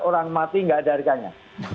orang mati nggak ada harganya